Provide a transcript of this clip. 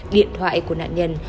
điện thoại của nạn nhân